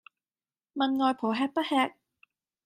問外婆吃不吃